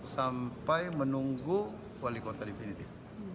sampai menunggu wali kota definitif